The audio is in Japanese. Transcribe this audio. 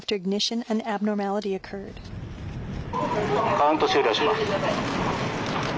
カウント終了します。